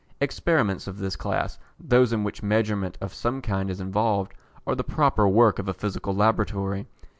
Experiments of this class those in which measurement of some kind is involved, are the proper work of a Physical Laboratory.